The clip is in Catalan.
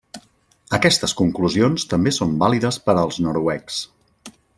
Aquestes conclusions també són vàlides per als noruecs.